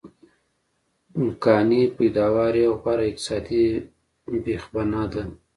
کانې پیداوار یې غوره اقتصادي بېخبنا ده.